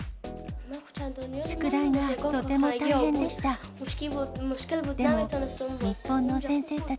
宿題がとても大変でした。